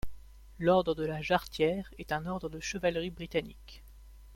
L’Ordre de la Jarretière est un ordre de chevalerie britannique.